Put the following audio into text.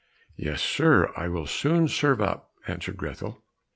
"Yes, sir, I will soon serve up," answered Grethel.